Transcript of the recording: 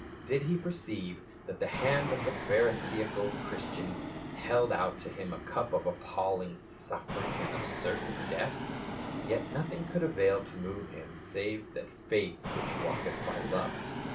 Did he perceive that the hand of the pharisaical Christian held out to him a cup of appalling suffering and of certain death? Yet nothing could avail to move him save that faith which walketh by love.